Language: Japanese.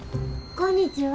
こんにちは。